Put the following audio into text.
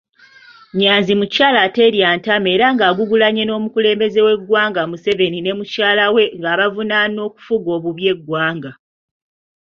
Nyanzi mukyala aterya ntama era agugulanye n'omukulembeze w'eggwanga Museveni ne mukyalawe ng'abavunaana okufuga obubi eggwanga.